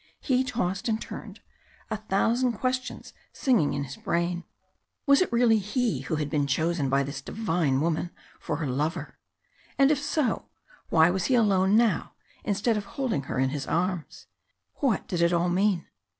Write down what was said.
He tossed and turned, a thousand questions singing in his brain. Was it really he who had been chosen by this divine woman for her lover? And if so, why was he alone now instead of holding her in his arms? What did it all mean?